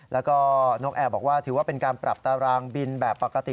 แล้วก็นกแอร์บอกว่าถือว่าเป็นการปรับตารางบินแบบปกติ